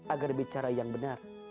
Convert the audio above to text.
agar bicara yang benar